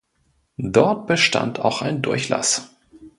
Dort bestand auch ein Durchlass.